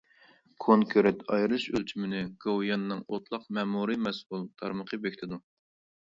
كونكرېت ئايرىش ئۆلچىمىنى گوۋۇيۈەننىڭ ئوتلاق مەمۇرىي مەسئۇل تارمىقى بېكىتىدۇ.